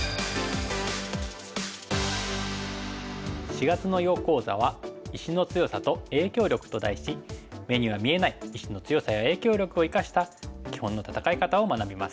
４月の囲碁講座は「石の強さと影響力」と題し目には見えない石の強さや影響力を生かした基本の戦い方を学びます。